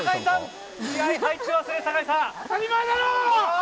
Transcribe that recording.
当たり前だろ！